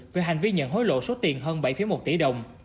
về hành vi nhận hối lộ số tiền hơn bảy một tỷ đồng